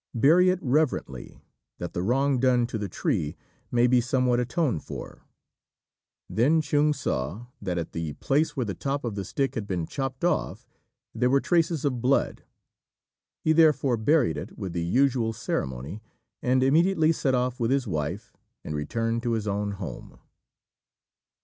Bury it reverently, that the wrong done to the tree may be somewhat atoned for." Then Chung saw that at the place where the top of the stick had been chopped off there were traces of blood; he therefore buried it with the usual ceremony, and immediately set off with his wife, and returned to his own home.